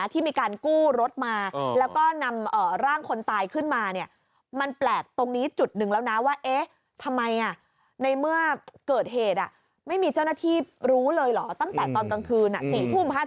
ที่มีการกู้รถมาแล้วก็นำร่างคนตายขึ้นมา